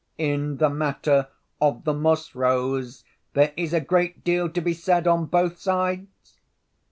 "In the matter of the moss rose there is a great deal to be said on both sides!"